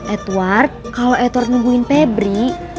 edward kalau edward nungguin pebri